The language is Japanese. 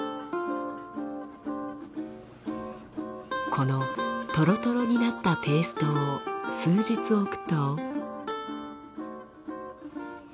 このトロトロになったペーストを数日置くと。